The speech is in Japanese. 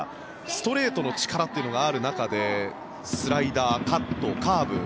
ストレートの力というのがある中でスライダー、カット、カーブ。